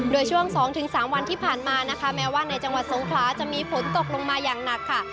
โดยช่วง๒๓วันที่ผ่านมานะคะแม้ว่าในจังหวัดสงขลาจะมีฝนตกลงมาอย่างหนักค่ะ